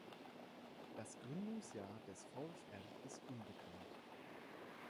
Das Gründungsjahr des VfR ist unbekannt.